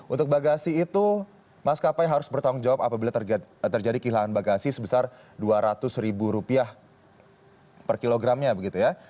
untuk bagasi itu maskapai harus bertanggung jawab apabila terjadi kehilangan bagasi sebesar dua ratus ribu rupiah per kilogramnya begitu ya